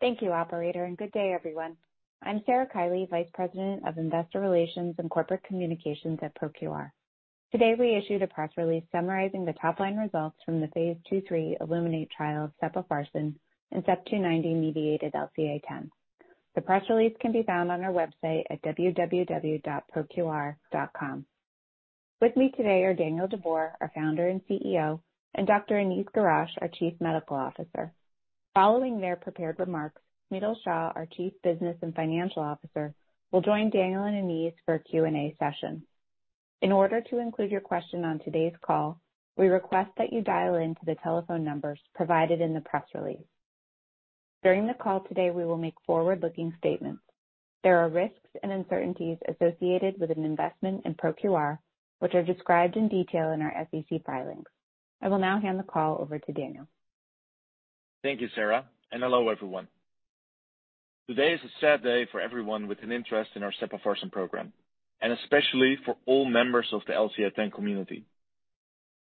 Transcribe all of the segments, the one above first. Thank you operator, and good day everyone. I'm Sarah Kiely, Vice President of Investor Relations and Corporate Affairs at ProQR. Today, we issued a press release summarizing the top-line results from the phase II/III ILLUMINATE trial of sepofarsen in CEP290-mediated LCA10. The press release can be found on our website at proqr.com. With me today are Daniel de Boer, our founder and CEO, and Dr. Aniz Girach, our Chief Medical Officer. Following their prepared remarks, Smital Shah, our Chief Business and Financial Officer, will join Daniel and Aniz for a Q&A session. In order to include your question on today's call, we request that you dial in to the telephone numbers provided in the press release. During the call today, we will make forward-looking statements. There are risks and uncertainties associated with an investment in ProQR, which are described in detail in our SEC filings. I will now hand the call over to Daniel. Thank you, Sarah, and hello everyone. Today is a sad day for everyone with an interest in our sepofarsen program and especially for all members of the LCA 10 community.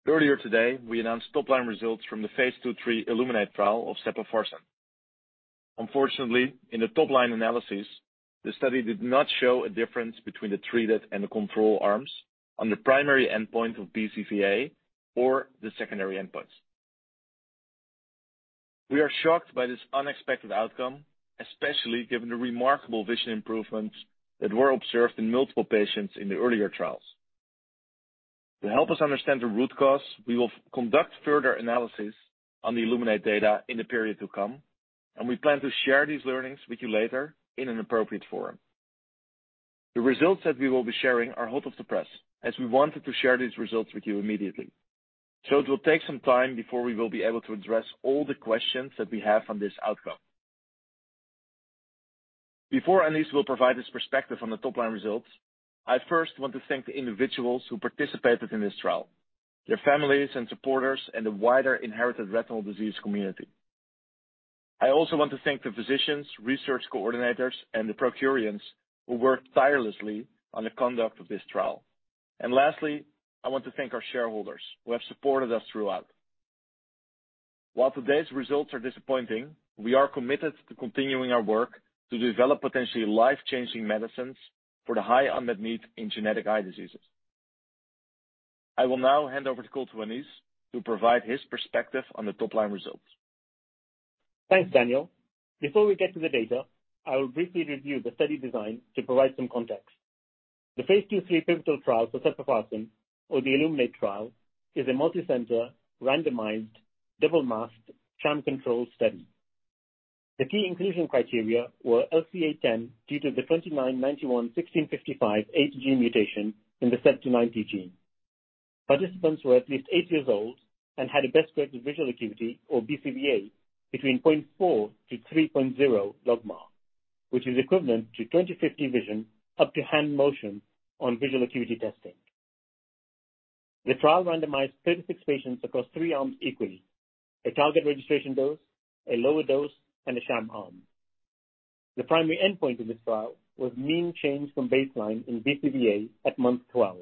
Earlier today, we announced top-line results from the phase II/III ILLUMINATE trial of sepofarsen. Unfortunately, in the top-line analysis, the study did not show a difference between the treated and the control arms on the primary endpoint of BCVA or the secondary endpoints. We are shocked by this unexpected outcome, especially given the remarkable vision improvements that were observed in multiple patients in the earlier trials. To help us understand the root cause, we will conduct further analysis on the ILLUMINATE data in the period to come, and we plan to share these learnings with you later in an appropriate forum. The results that we will be sharing are hot off the press as we wanted to share these results with you immediately. It will take some time before we will be able to address all the questions that we have on this outcome. Before Aniz will provide his perspective on the top-line results, I first want to thank the individuals who participated in this trial, their families and supporters, and the wider inherited retinal disease community. I also want to thank the physicians, research coordinators, and the ProQRians who worked tirelessly on the conduct of this trial. Lastly, I want to thank our shareholders who have supported us throughout. While today's results are disappointing, we are committed to continuing our work to develop potentially life-changing medicines for the high unmet need in genetic eye diseases. I will now hand over the call to Aniz to provide his perspective on the top-line results. Thanks, Daniel. Before we get to the data, I will briefly review the study design to provide some context. The phase II/III pivotal trial for sepofarsen or the ILLUMINATE trial is a multicenter, randomized, double-masked, sham-controlled study. The key inclusion criteria were LCA 10 due to the c.2991+1655A>G mutation in the CEP290 gene. Participants were at least eight years old and had a best corrected visual acuity or BCVA between 0.4-3.0 logMAR, which is equivalent to 20/50 vision up to hand motion on visual acuity testing. The trial randomized 36 patients across three arms equally. A target registration dose, a lower dose, and a sham arm. The primary endpoint of this trial was mean change from baseline in BCVA at month 12,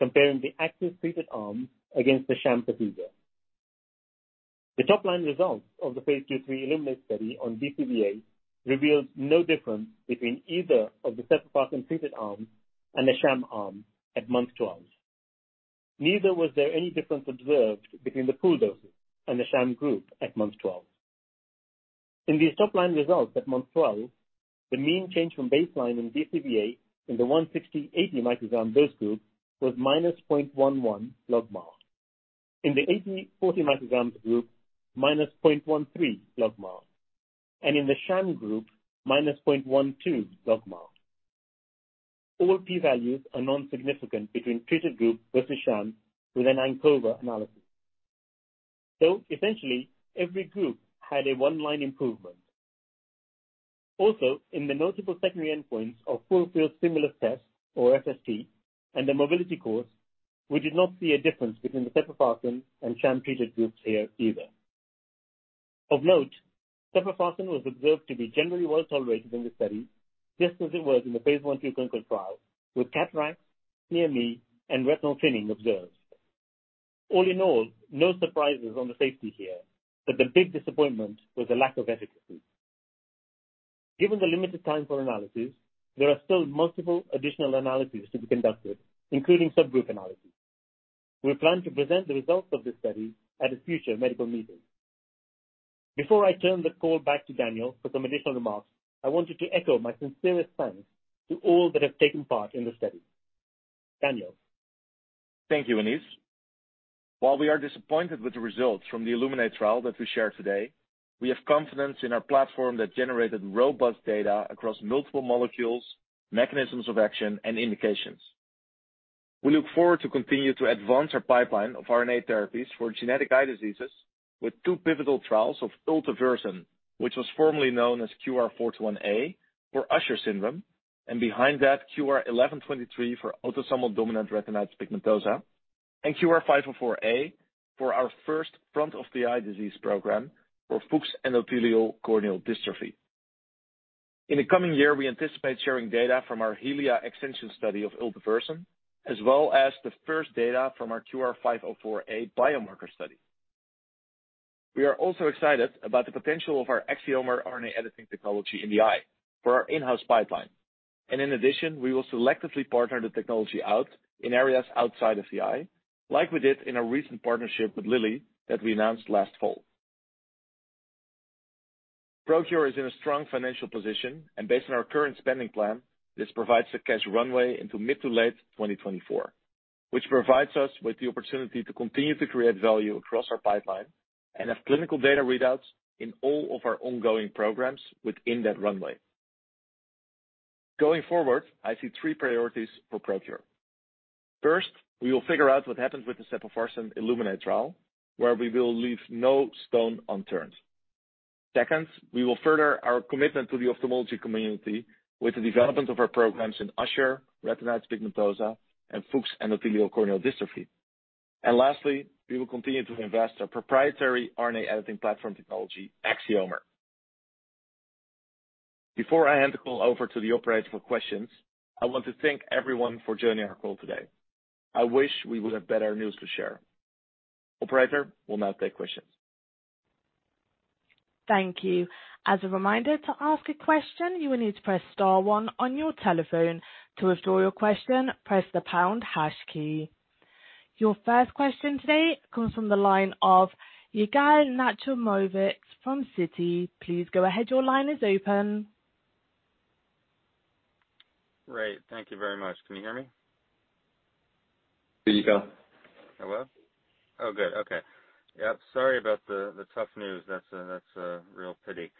comparing the active treated arm against the sham procedure. The top-line results of the phase II/III ILLUMINATE study on BCVA revealed no difference between either of the sepofarsen-treated arms and the sham arm at month 12. Neither was there any difference observed between the pooled doses and the sham group at month 12. In these top-line results at month 12, the mean change from baseline in BCVA in the 160/80-microgram dose group was -0.11 logMAR. In the 80/40-microgram group, -0.13 logMAR, and in the sham group, -0.12 logMAR. All p-values are non-significant between treated group versus sham with an ANCOVA analysis. Essentially, every group had a one-line improvement. Also, in the notable secondary endpoints of Full-Field Stimulus Test, or FST, and the mobility course, we did not see a difference between the sepofarsen and sham-treated groups here either. Of note, sepofarsen was observed to be generally well tolerated in the study, just as it was in the phase I/II clinical trial, with cataract, CME, and retinal thinning observed. All in all, no surprises on the safety here, but the big disappointment was the lack of efficacy. Given the limited time for analysis, there are still multiple additional analyses to be conducted, including subgroup analyses. We plan to present the results of this study at a future medical meeting. Before I turn the call back to Daniel for some additional remarks, I wanted to echo my sincerest thanks to all that have taken part in the study. Daniel. Thank you, Aniz. While we are disappointed with the results from the ILLUMINATE trial that we shared today, we have confidence in our platform that generated robust data across multiple molecules, mechanisms of action, and indications. We look forward to continue to advance our pipeline of RNA therapies for genetic eye diseases with two pivotal trials of ultevursen, which was formerly known as QR-421a for Usher syndrome, and behind that, QR-1123 for autosomal dominant retinitis pigmentosa, and QR-504a for our first front of the eye disease program for Fuchs' endothelial corneal dystrophy. In the coming year, we anticipate sharing data from our Helios extension study of ultevursen, as well as the first data from our QR-504a biomarker study. We are also excited about the potential of our Axiomer RNA editing technology in the eye for our in-house pipeline. In addition, we will selectively partner the technology out in areas outside of CI, like we did in a recent partnership with Lilly that we announced last fall. ProQR is in a strong financial position, and based on our current spending plan, this provides a cash runway into mid- to late 2024, which provides us with the opportunity to continue to create value across our pipeline and have clinical data readouts in all of our ongoing programs within that runway. Going forward, I see three priorities for ProQR. First, we will figure out what happens with the sepofarsen ILLUMINATE trial, where we will leave no stone unturned. Second, we will further our commitment to the ophthalmology community with the development of our programs in Usher, retinitis pigmentosa, and Fuchs' endothelial corneal dystrophy. Lastly, we will continue to invest our proprietary RNA editing platform technology, Axiomer. Before I hand the call over to the operator for questions, I want to thank everyone for joining our call today. I wish we would have better news to share. Operator, we'll now take questions. Thank you. As a reminder, to ask a question, you will need to press star one on your telephone. To withdraw your question, press the pound hash key. Your first question today comes from the line of Yigal Nochomovitz from Citi. Please go ahead. Your line is open. Great. Thank you very much. Can you hear me? Here you go. Hello? Oh, good. Okay. Yeah, sorry about the tough news. That's a real pity.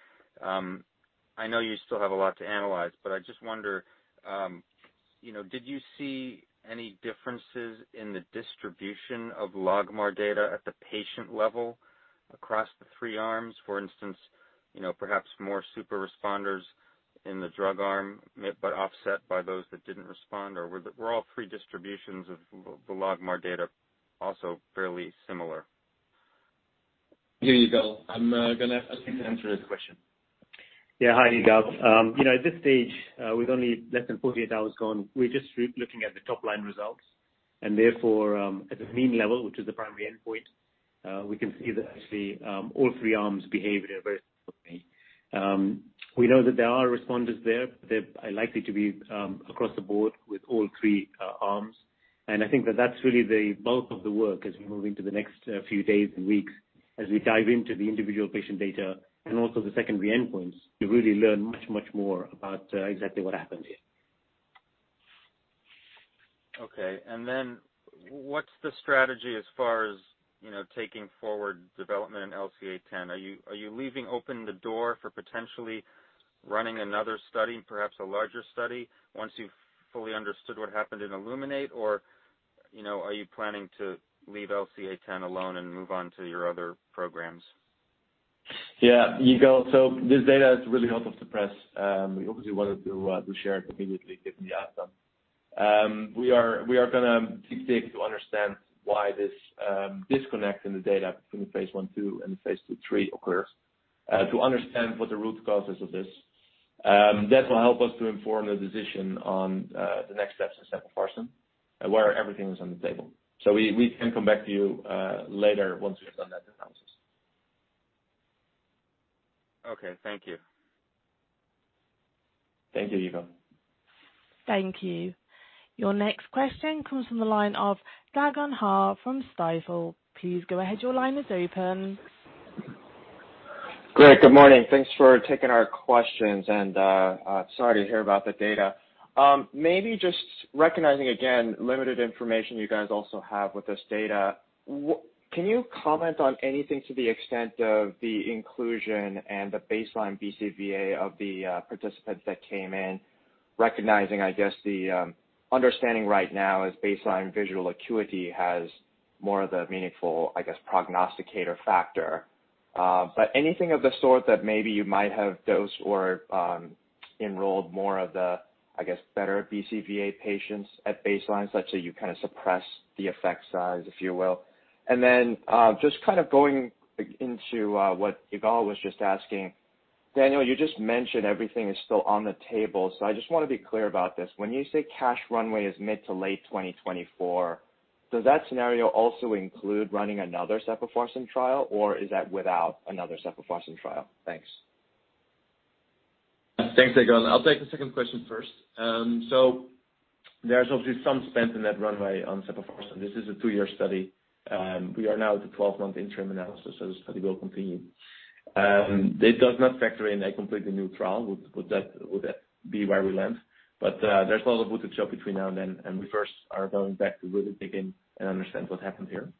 I know you still have a lot to analyze, but I just wonder, you know, did you see any differences in the distribution of logMAR data at the patient level across the three arms? For instance, you know, perhaps more super responders in the drug arm, but offset by those that didn't respond or were all three distributions of the logMAR data also fairly similar? Here, Yigal. I'm gonna ask Aniz to answer this question. Yeah. Hi, Yigal. You know, at this stage, with only less than 48 hours gone, we're just re-looking at the top-line results and therefore, at the mean level, which is the primary endpoint, we can see that actually, all three arms behaved very similarly. We know that there are responders there. They're likely to be, across the board with all three arms. I think that that's really the bulk of the work as we move into the next few days and weeks as we dive into the individual patient data and also the secondary endpoints to really learn much, much more about, exactly what happened here. Okay. What's the strategy as far as, you know, taking forward development in LCA 10? Are you leaving open the door for potentially running another study, perhaps a larger study, once you've fully understood what happened in ILLUMINATE or, you know, are you planning to leave LCA 10 alone and move on to your other programs? Yeah, Yigal. This data is really hard to suppress. We obviously wanted to share it immediately given the outcome. We are gonna dig deep to understand why this disconnect in the data between the phase I/II and phase II/III occurs, to understand what the root cause is of this. That will help us to inform the decision on the next steps in sepofarsen, where everything is on the table. We can come back to you later once we have done that analysis. Okay. Thank you. Thank you, Yigal. Thank you. Your next question comes from the line of Dae Gon Ha from Stifel. Please go ahead. Your line is open. Great, good morning. Thanks for taking our questions. Sorry to hear about the data. Maybe just recognizing again, limited information you guys also have with this data. Can you comment on anything to the extent of the inclusion and the baseline BCVA of the participants that came in? Recognizing, I guess, the understanding right now is baseline visual acuity has more of the meaningful, I guess, prognosticator factor. But anything of the sort that maybe you might have dosed or enrolled more of the, I guess, better BCVA patients at baseline, such that you kind of suppress the effect size, if you will. Just kind of going into what Yigal was just asking. Daniel, you just mentioned everything is still on the table. I just wanna be clear about this. When you say cash runway is mid- to late 2024, does that scenario also include running another sepofarsen trial, or is that without another sepofarsen trial? Thanks. Thanks, Dae Gon. I'll take the second question first. There's obviously some spend in that runway on sepofarsen. This is a two-year study. We are now at the 12-month interim analysis, so the study will continue. This does not factor in a completely new trial. Would that be where we land? There's a lot of boxes to check between now and then, and we first are going back to really dig in and understand what happened here.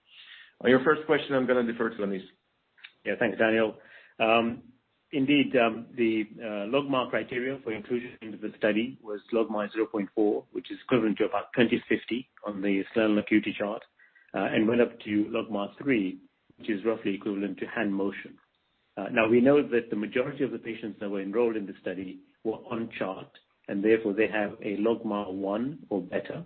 On your first question, I'm gonna defer to Aniz. Yeah. Thanks, Daniel. Indeed, the logMAR criteria for inclusion into the study was logMAR 0.4, which is equivalent to about 20/50 on the standard acuity chart, and went up to logMAR 3, which is roughly equivalent to hand motion. Now, we know that the majority of the patients that were enrolled in the study were on chart, and therefore they have a logMAR 1 or better.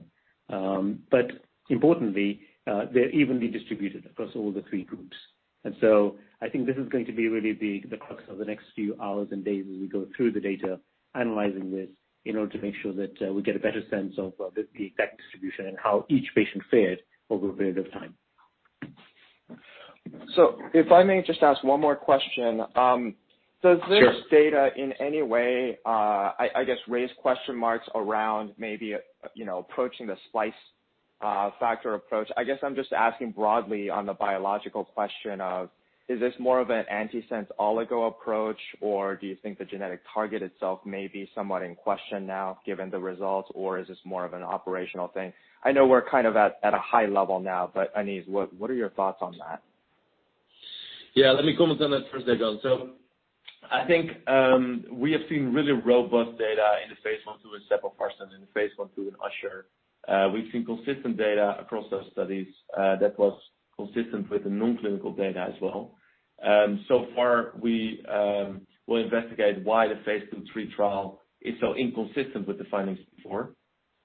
Importantly, they're evenly distributed across all three groups. I think this is going to be really the crux of the next few hours and days as we go through the data, analyzing this in order to make sure that we get a better sense of the effect distribution and how each patient fared over a period of time. If I may just ask one more question. Sure. Does this data in any way, I guess, raise question marks around maybe, you know, approaching the splice factor approach? I guess I'm just asking broadly on the biological question of, is this more of an antisense oligo approach, or do you think the genetic target itself may be somewhat in question now given the results or is this more of an operational thing? I know we're kind of at a high level now, but Aniz, what are your thoughts on that? Yeah, let me comment on that first, Dae Gon Ha. I think we have seen really robust data in the phase I/II in sepofarsen, in the phase I/II in Usher. We've seen consistent data across those studies that was consistent with the non-clinical data as well. We will investigate why the phase II/III trial is so inconsistent with the findings before.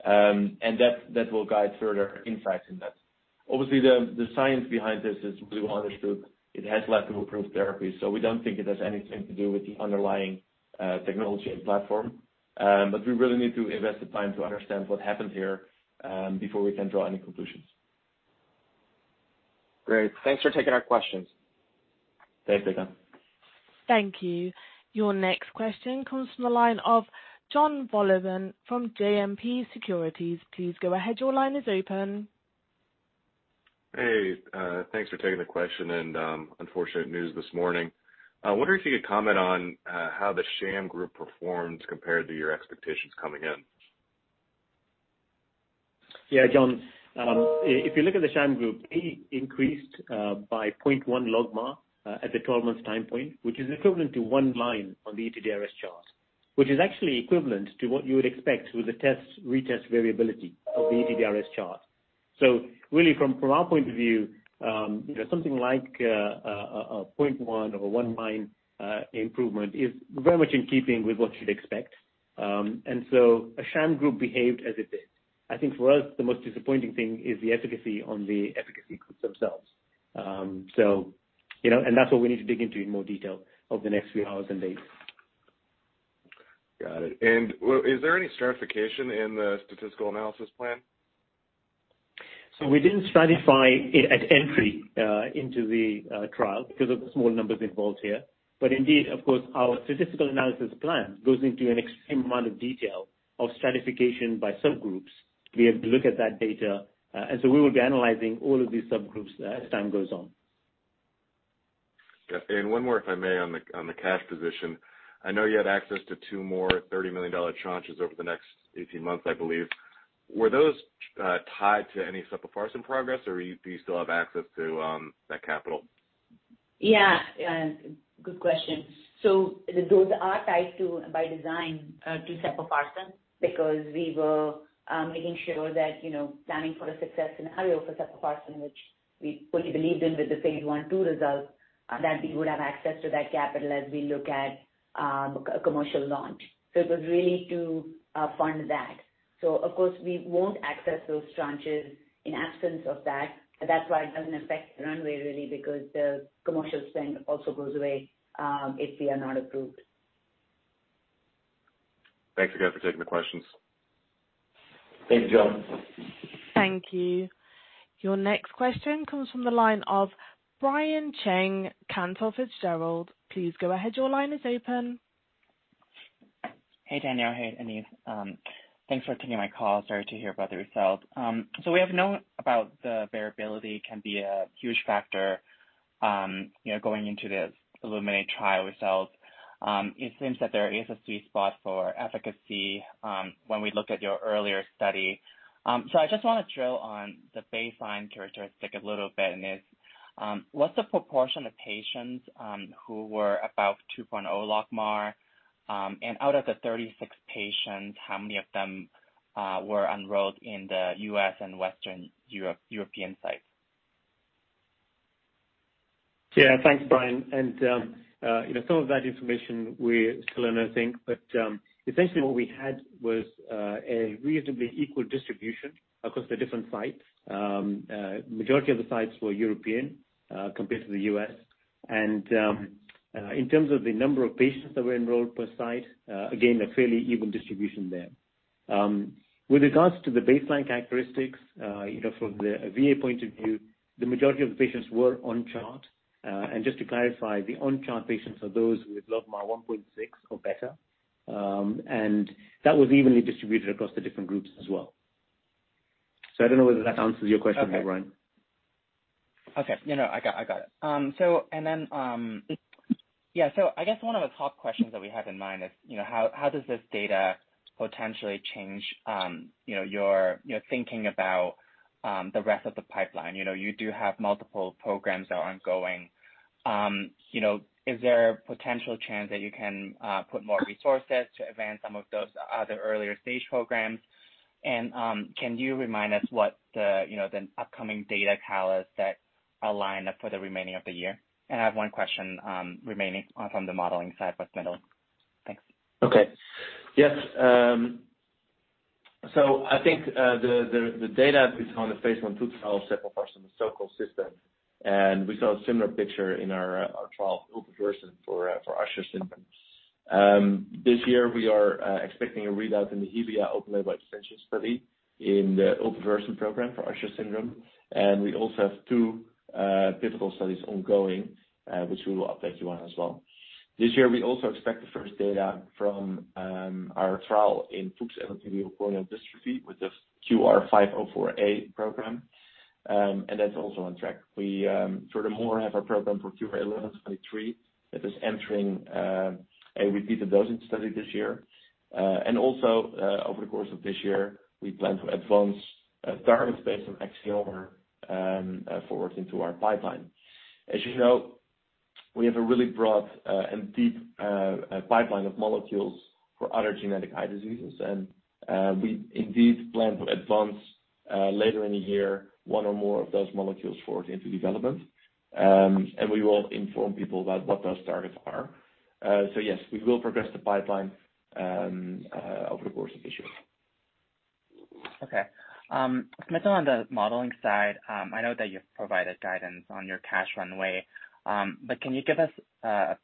That will guide further insights in that. Obviously, the science behind this is really well understood. There's a lack of approved therapy, so we don't think it has anything to do with the underlying technology and platform. We really need to invest the time to understand what happened here before we can draw any conclusions. Great. Thanks for taking our questions. Thanks, Dae Gon Ha. Thank you. Your next question comes from the line of Jonathan Wolleben from JMP Securities. Please go ahead. Your line is open. Hey. Thanks for taking the question and unfortunate news this morning. I wonder if you could comment on how the sham group performed compared to your expectations coming in. Yeah, John. If you look at the sham group, they increased by 0.1 logMAR at the 12-month time point, which is equivalent to one line on the ETDRS chart, which is actually equivalent to what you would expect with the test-retest variability of the ETDRS chart. Really, from our point of view, you know, something like a 0.1 or 1 line improvement is very much in keeping with what you'd expect. A sham group behaved as it did. I think for us, the most disappointing thing is the efficacy on the efficacy groups themselves. You know, that's what we need to dig into in more detail over the next few hours and days. Got it. Is there any stratification in the statistical analysis plan? We didn't stratify it at entry into the trial because of the small numbers involved here. Indeed, of course, our statistical analysis plan goes into an extreme amount of detail of stratification by subgroups. We have to look at that data. We will be analyzing all of these subgroups as time goes on. Yeah. One more, if I may, on the cash position. I know you had access to two more $30 million tranches over the next 18 months, I believe. Were those tied to any sepofarsen progress, or do you still have access to that capital? Good question. Those are tied to, by design, to sepofarsen because we were making sure that, you know, planning for success in a hurry for sepofarsen, which we fully believed in with the phase I/II results, that we would have access to that capital as we look at a commercial launch. It was really to fund that. Of course, we won't access those tranches in the absence of that. That's why it doesn't affect the runway really, because the commercial spend also goes away if we are not approved. Thanks again for taking the questions. Thanks, John. Thank you. Your next question comes from the line of Brian Cheng, Cantor Fitzgerald. Please go ahead. Your line is open. Hey, Daniel. Hey, Aniz. Thanks for taking my call. Sorry to hear about the results. We have known about the variability can be a huge factor, you know, going into this ILLUMINATE trial results. It seems that there is a sweet spot for efficacy, when we look at your earlier study. I just wanna drill on the baseline characteristic a little bit. What's the proportion of patients who were about 2.0 logMAR? Out of the 36 patients, how many of them were enrolled in the U.S. and Western European sites? Yeah. Thanks, Brian. You know, some of that information we still don't know, I think. Essentially what we had was a reasonably equal distribution across the different sites. Majority of the sites were European, compared to the U.S. In terms of the number of patients that were enrolled per site, again, a fairly even distribution there. With regards to the baseline characteristics, you know, from the VA point of view, the majority of the patients were on chart. Just to clarify, the on chart patients are those with logMAR 1.6 or better. That was evenly distributed across the different groups as well. I don't know whether that answers your question there, Brian. Okay. No, I got it. One of the top questions that we have in mind is, you know, how does this data potentially change, you know, your thinking about the rest of the pipeline? You know, you do have multiple programs that are ongoing. You know, is there a potential chance that you can put more resources to advance some of those other earlier stage programs? Can you remind us what the upcoming data catalysts that are lined up for the remainder of the year? I have one question remaining on the modeling side with Smital. Yes. I think the data is on the phase I/II trial sepofarsen is so consistent, and we saw a similar picture in our trial ultevursen for Usher syndrome. This year we are expecting a readout in the Helios open-label extension study in the ultevursen program for Usher syndrome. We also have two pivotal studies ongoing, which we will update you on as well. This year, we also expect the first data from our trial in Fuchs' endothelial corneal dystrophy with the QR-504a program and that's also on track. We furthermore have our program for QR-1123 that is entering a repeated dosing study this year. Also, over the course of this year, we plan to advance targets based on Axiomer forward into our pipeline. As you know, we have a really broad and deep pipeline of molecules for other genetic eye diseases, and we indeed plan to advance later in the year one or more of those molecules forward into development. We will inform people about what those targets are. Yes, we will progress the pipeline over the course of this year. Okay. Smital, on the modeling side, I know that you've provided guidance on your cash runway, but can you give us a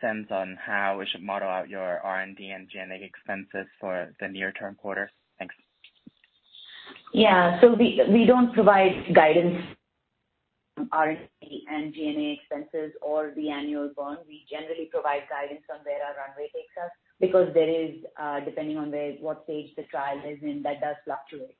sense on how we should model out your R&D and G&A expenses for the near-term quarter? Thanks. Yeah. So we don't provide guidance on R&D and G&A expenses or the annual burn. We generally provide guidance on where our runway takes us because there is depending on what stage the trial is in, that does fluctuate,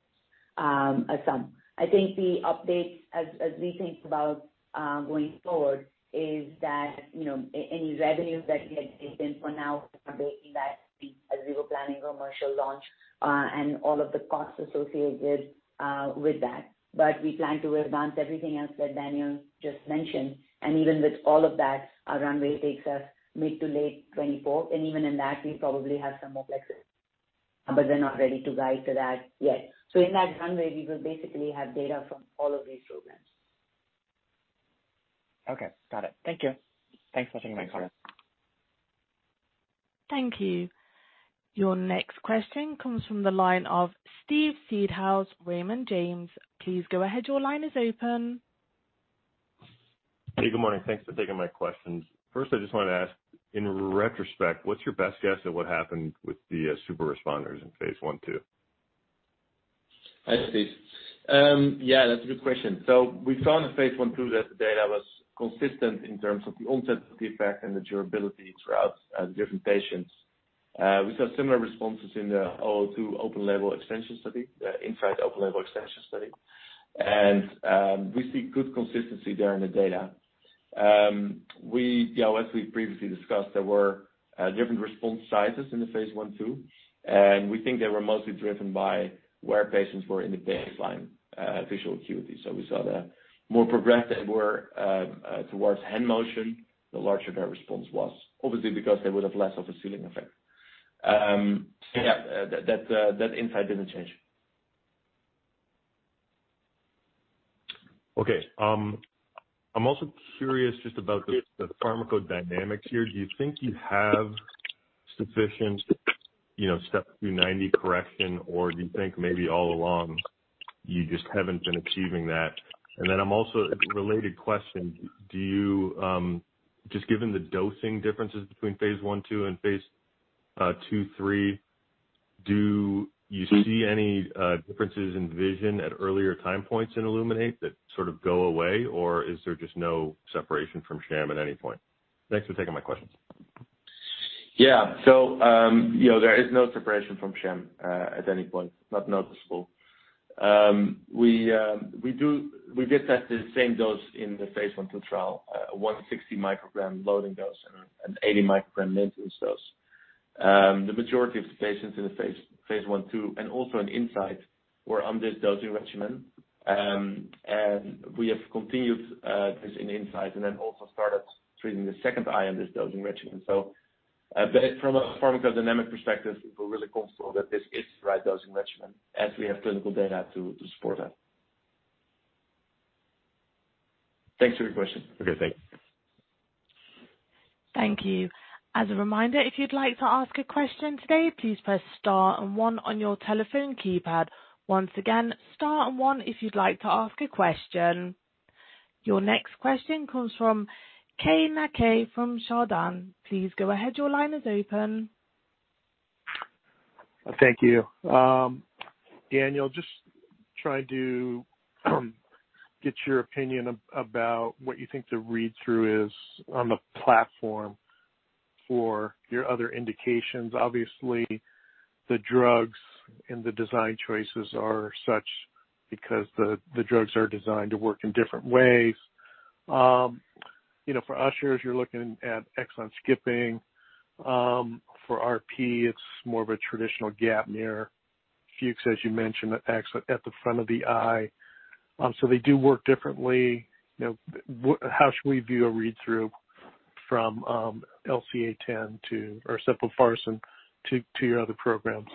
as some. I think the updates as we think about going forward is that, you know, any revenues that we had taken for now are baked in that as we were planning for commercial launch and all of the costs associated with that. We plan to advance everything else that Daniel just mentioned. Even with all of that, our runway takes us mid- to late 2024, and even in that, we probably have some more flexes. They're not ready to guide to that yet. In that runway, we will basically have data from all of these programs. Okay. Got it. Thank you. Thanks for taking my call. Thank you. Your next question comes from the line of Steve Seedhouse, Raymond James. Please go ahead. Your line is open. Hey, good morning. Thanks for taking my questions. First, I just wanted to ask, in retrospect, what's your best guess at what happened with the super responders in phase I/II? Hi, Steve. Yeah, that's a good question. We found in phase I/II that the data was consistent in terms of the onset of the effect and the durability throughout different patients. We saw similar responses in the 002 open-label extension study, the INSIGHT open-label extension study. We see good consistency there in the data. You know, as we previously discussed, there were different response sizes in the phase I/II, and we think they were mostly driven by where patients were in the baseline visual acuity. We saw the more progressed they were towards hand motion, the larger their response was, obviously because they would have less of a ceiling effect. Yeah, that insight didn't change. Okay. I'm also curious just about the pharmacodynamics here. Do you think you have sufficient, you know, CEP290 correction or do you think maybe all along you just haven't been achieving that? Related question, do you just given the dosing differences between phase I/II and phase II/III, do you see any differences in vision at earlier time points in ILLUMINATE that sort of go away, or is there just no separation from sham at any point? Thanks for taking my questions. Yeah, you know, there is no separation from sham at any point, not noticeable. We did test the same dose in the phase I/II trial, 160-microgram loading dose and an 80-microgram maintenance dose. The majority of the patients in the phase I/II and also in INSIGHT were on this dosing regimen. We have continued this in INSIGHT and then also started treating the second eye on this dosing regimen. From a pharmacodynamic perspective, we feel really comfortable that this is the right dosing regimen, and we have clinical data to support that. Thanks for your question. Okay. Thank you. Thank you. As a reminder, if you'd like to ask a question today, please press star and one on your telephone keypad. Once again, star and one if you'd like to ask a question. Your next question comes from Keay Nakae from Chardan. Please go ahead. Your line is open. Thank you. Daniel, just trying to get your opinion about what you think the read-through is on the platform for your other indications. Obviously, the drugs and the design choices are such because the drugs are designed to work in different ways. You know, for Ushers, you're looking at exon skipping. For RP, it's more of a traditional GapmeR for Fuchs, as you mentioned, acts at the front of the eye. They do work differently. You know, how should we view a read-through from LCA 10 or sepofarsen to your other programs?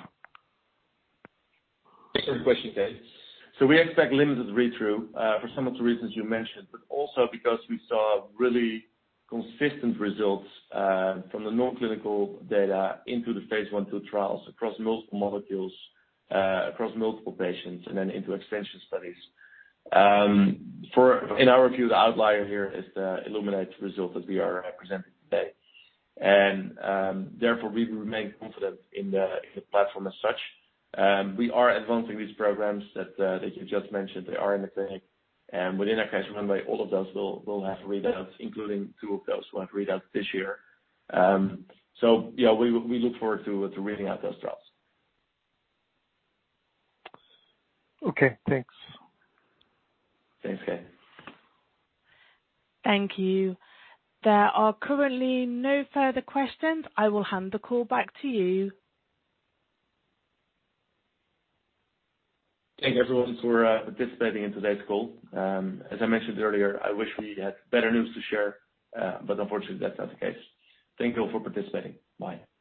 That's a good question, Kay. We expect limited read-through for some of the reasons you mentioned, but also because we saw really consistent results from the non-clinical data into the phase I/II trials across multiple molecules across multiple patients, and then into extension studies. In our view, the outlier here is the ILLUMINATE result that we are presenting today. Therefore, we remain confident in the platform as such. We are advancing these programs that you just mentioned. They are in the clinic. Within our cash runway, all of those will have readouts, including two of those that have readouts this year. We look forward to reading out those trials. Okay, thanks. Thanks, Kay. Thank you. There are currently no further questions. I will hand the call back to you. Thank you, everyone, for participating in today's call. As I mentioned earlier, I wish we had better news to share, but unfortunately, that's not the case. Thank you all for participating. Bye.